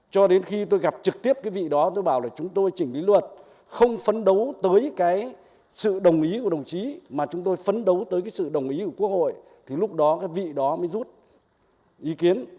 cho đến khi tôi gặp trực tiếp cái vị đó tôi bảo là chúng tôi chỉnh lý luật không phấn đấu tới cái sự đồng ý của đồng chí mà chúng tôi phấn đấu tới cái sự đồng ý của quốc hội thì lúc đó cái vị đó mới rút ý kiến